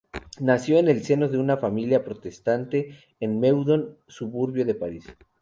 Nació en el seno de una familia protestante en Meudon, suburbio de París.